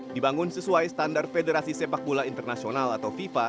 dibangun sesuai standar federasi sepak bola internasional atau fifa